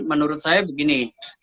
menurut saya begini